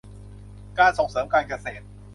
การส่งเสริมการเกษตร